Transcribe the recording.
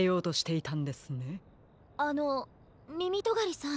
あのみみとがりさん。